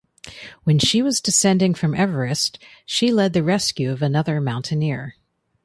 When she was descending from Everest she led the rescue of another mountaineer.